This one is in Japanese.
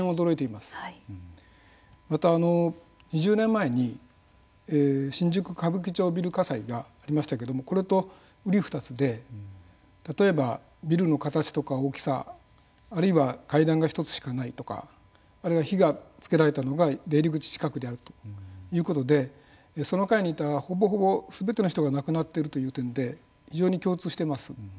また、２０年前に新宿歌舞伎町ビル火災がありましたけれどもこれとうり二つで例えばビルの形とか大きさあるいは階段が１つしかないとかあるいは火がつけられたのが出入り口近くであるということでその階にいたほぼほぼすべての人が亡くなっているという点で非常に共通しています。